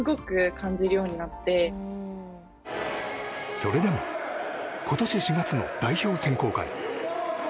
それでも今年４月の代表選考会。